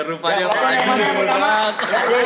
rupa yang menang